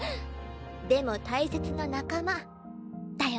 でも大切な仲間だよね？